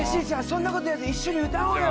そんなこと言わず一緒に歌おうよ。